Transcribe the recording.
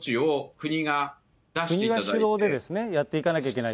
国が主導でやっていかなきゃいけない。